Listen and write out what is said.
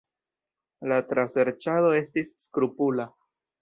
La traserĉado estis skrupula.